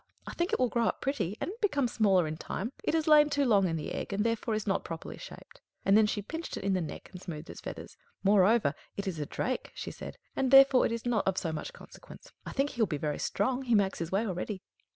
I think it will grow up pretty, and become smaller in time; it has lain too long in the egg, and therefore is not properly shaped." And then she pinched it in the neck, and smoothed its feathers. "Moreover, it is a drake," she said, "and therefore it is not of so much consequence. I think he will be very strong. He makes his way already."